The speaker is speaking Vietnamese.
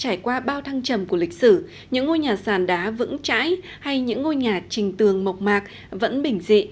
trải qua bao thăng trầm của lịch sử những ngôi nhà sàn đá vững chãi hay những ngôi nhà trình tường mộc mạc vẫn bình dị